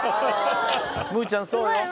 むぅちゃんそうよ。